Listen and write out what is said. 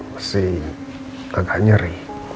masih agak nyeri